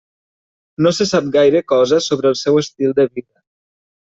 No se sap gaire cosa sobre el seu estil de vida.